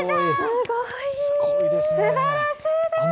すばらしいです。